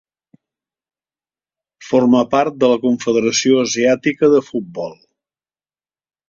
Forma part de la Confederació Asiàtica de Futbol.